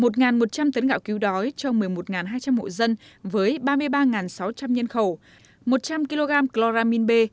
một một trăm linh tấn gạo cứu đói cho một mươi một hai trăm linh hộ dân với ba mươi ba sáu trăm linh nhân khẩu một trăm linh kg chloramin b